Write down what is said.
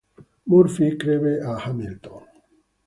Murphy crebbe a Hamilton.